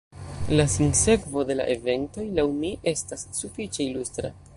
La sinsekvo de la eventoj, laŭ mi, estas sufiĉe ilustra.